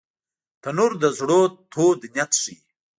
تنور د زړونو تود نیت ښيي